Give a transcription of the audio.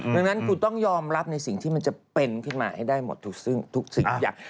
ดังนั้นคุณต้องยอมรับในสิ่งที่มันจะเป็นขึ้นมาให้ได้หมดทุกสิ่งทุกอย่าง